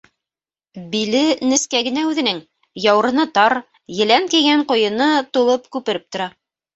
Биле нескә генә үҙенең, яурыны тар, елән кейгән ҡуйыны тулып-күпереп тора.